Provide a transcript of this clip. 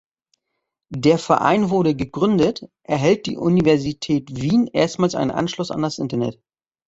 Der Verein wurde gegründet, erhält die Universität Wien erstmals einen Anschluss an das Internet.